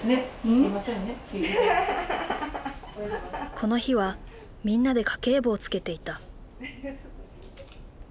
この日はみんなで家計簿をつけていた。